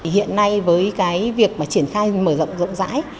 hiện nay với cái việc mà triển khai mở rộng rộng rãi